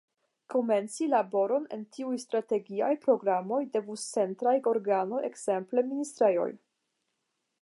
Komenci laboron en tiuj strategiaj programoj devus centraj organoj, ekzemple ministrejoj.